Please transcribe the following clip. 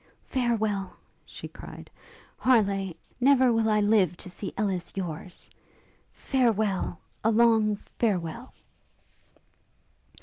'Farewell!' she cried, 'Harleigh! Never will I live to see Ellis your's! Farewell! a long farewell!'